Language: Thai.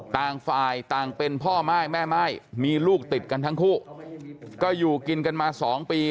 ต่างฝ่ายต่างเป็นพ่อม่ายแม่ม่ายมีลูกติดกันทั้งคู่ก็อยู่กินกันมาสองปี